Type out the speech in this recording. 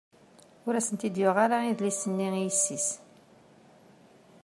Ur asent-ten-id-yuɣ ara idlisen-nni i yessi-s.